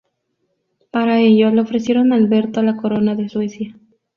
Para ello le ofrecieron a Alberto la corona de Suecia.